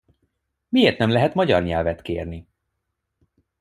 Miért nem lehet magyar nyelvet kérni?